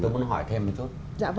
tôi muốn hỏi thêm một chút